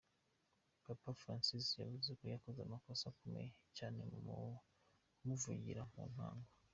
Papa Francis yavuze ko yakoze amakosa akomeye cane mu kumuvugira, mu ntango.